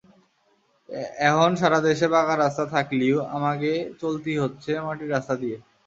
এহন সারা দেশে পাকা রাস্তা থাকলিও আমাগে চলতি হচ্ছে মাটির রাস্তা দিয়ে।